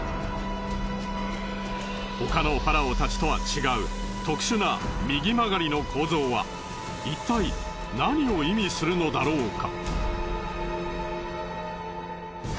他のファラオたちとは違う特殊な右曲がりの構造はいったい何を意味するのだろうか。